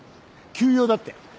急用って。